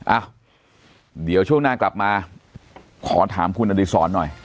อ้าวเดี๋ยวช่วงหน้ากลับมาขอถามคุณอดีศรหน่อย